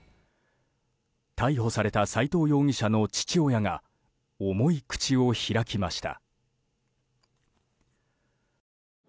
逮捕された斎藤容疑者の父親が重い口を開きました。